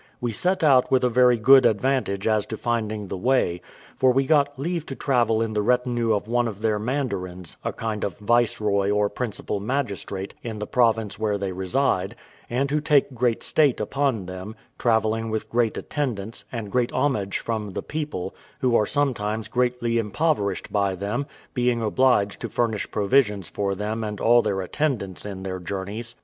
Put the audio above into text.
We set out with very good advantage as to finding the way; for we got leave to travel in the retinue of one of their mandarins, a kind of viceroy or principal magistrate in the province where they reside, and who take great state upon them, travelling with great attendance, and great homage from the people, who are sometimes greatly impoverished by them, being obliged to furnish provisions for them and all their attendants in their journeys.